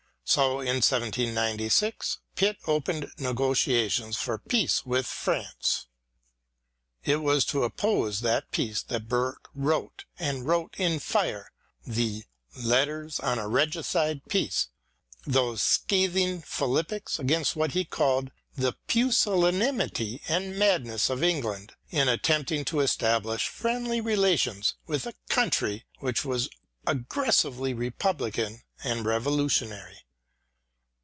So in 1796 Pitt opened negotiations for peace with France. It was to oppose that peace that Burke wrote, and wrote in fire, the " Letters on a Regicide Peace," those scathing Philippics against what he called the pusillanimity and madness of England in attempting to establish friendly relations with a country which was aggressively republican and revolutionary.